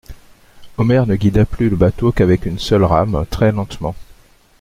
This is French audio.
Omer ne guida plus le bateau qu'avec une seule rame, très lentement.